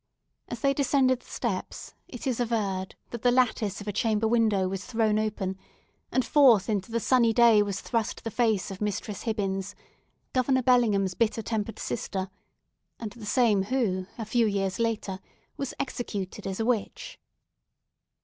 As they descended the steps, it is averred that the lattice of a chamber window was thrown open, and forth into the sunny day was thrust the face of Mistress Hibbins, Governor Bellingham's bitter tempered sister, and the same who, a few years later, was executed as a witch.